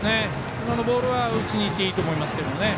今のボールは打ちにいっていいと思います。